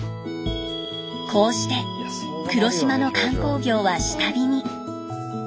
こうして黒島の観光業は下火に。